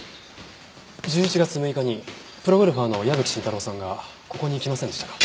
１１月６日にプロゴルファーの矢吹伸太郎さんがここに来ませんでしたか？